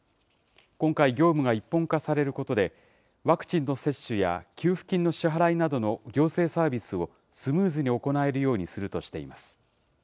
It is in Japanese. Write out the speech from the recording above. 今回、業務が一本化されることで、ワクチンの接種や、給付金の支払いなどの行政サービスをスムーズに行えるようにするとしています。